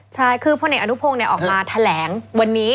ใช่คือพลเอกอนุพงศ์ออกมาแถลงวันนี้